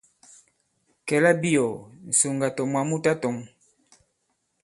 Kɛ̌ labiɔ̀ɔ̀, ŋ̀sùŋgà tɔ̀ mwǎ mu tatɔ̄ŋ.